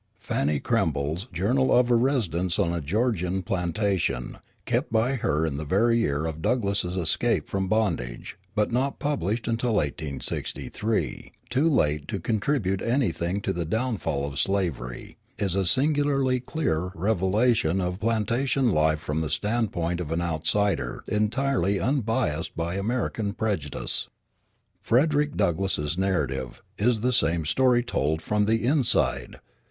Fanny Kemble's Journal of a Residence on a Georgian Plantation, kept by her in the very year of Douglass's escape from bondage, but not published until 1863, too late to contribute anything to the downfall of slavery, is a singularly clear revelation of plantation life from the standpoint of an outsider entirely unbiased by American prejudice. Frederick Douglass's Narrative is the same story told from the inside.